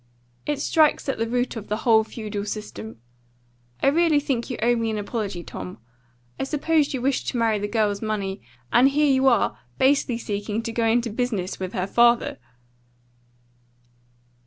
It strikes at the root of the whole feudal system. I really think you owe me an apology, Tom. I supposed you wished to marry the girl's money, and here you are, basely seeking to go into business with her father."